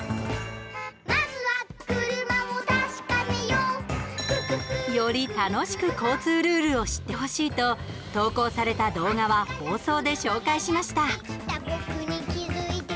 「まずはくるまをたしかめよう」より楽しく交通ルールを知ってほしいと投稿された動画は放送で紹介しました。